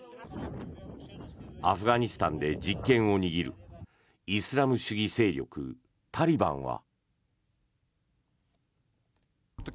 アフガニスタンで実権を握るイスラム主義勢力タリバンは。